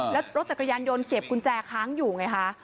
แล้วรถจักรยานยนต์เสียบกุญแจค้างอยู่ไงคะ